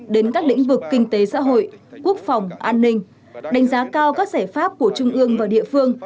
đến các lĩnh vực kinh tế xã hội quốc phòng an ninh đánh giá cao các giải pháp của trung ương và địa phương